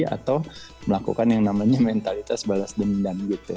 atau melakukan yang namanya mentalitas balas dendam gitu